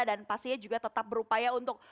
dan pastinya juga tetap berupaya untuk